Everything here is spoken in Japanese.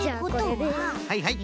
はいはい。